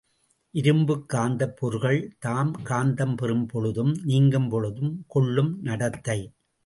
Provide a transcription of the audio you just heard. இரும்புக் காந்தப் பொருள்கள் தாம் காந்தம் பெறும் பொழுதும் நீங்கும்பொழுதும் கொள்ளும் நடத்தை.